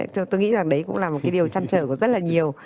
tôi nghĩ là đấy cũng là một cái điều chăn trở của rất là nhiều